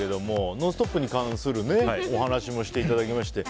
「ノンストップ！」に関するお話もしていただきまして。